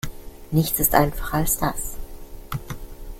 Nichts ist einfacher als das.